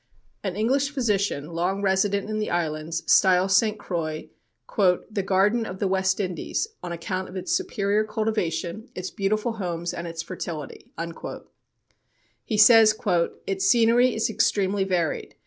An English physician, long resident in the islands, styles St. Croix, "The Garden of the West Indies, on account of its superior cultivation, its beautiful homes and its fertility." He says, "Its scenery is extremely varied.